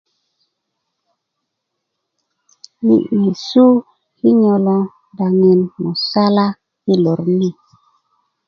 yi nyesu kinyo lo daŋin musala i lor ni